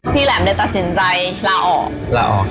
พี่แหลมได้ตัดสินใจลาออก